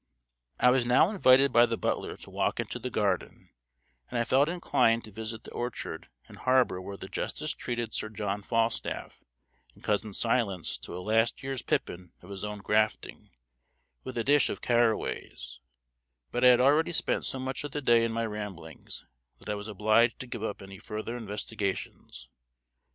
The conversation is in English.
I was now invited by the butler to walk into the garden, and I felt inclined to visit the orchard and harbor where the justice treated Sir John Falstaff and Cousin Silence "to a last year's pippin of his own grafting, with a dish of caraways;" but I had already spent so much of the day in my ramblings that I was obliged to give up any further investigations.